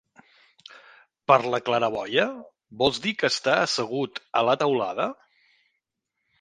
Per la claraboia? Vols dir que està assegut a la teulada?